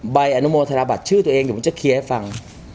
ใบอนุโมธนบัตรชื่อตัวเองเดี๋ยวผมจะเคลียร์ให้ฟัง